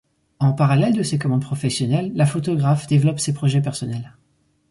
En parallèle de ses commandes professionnelles, la photographe développe ses projets personnels.